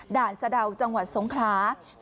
ด่านสะดาวจังหวัดสงครา